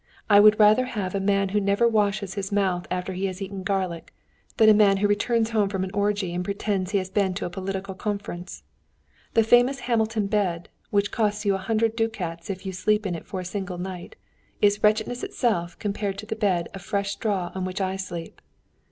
I would rather have a man who never washes his mouth after he has eaten garlic, than a man who returns home from an orgie and pretends he has been to a political conference. The famous Hamilton bed, which costs you a hundred ducats if you sleep in it for a single night, is wretchedness itself compared to the bed of fresh straw on which I sleep.